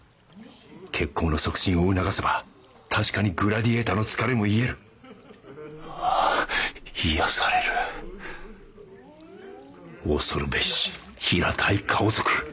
血行の促進を促せば確かにグラディエイターの疲れも癒えるああ癒やされる恐るべし平たい顔族！